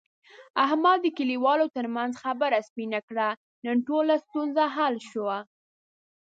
احمد د کلیوالو ترمنځ خبره سپینه کړه. نن ټوله ستونزه حل شوه.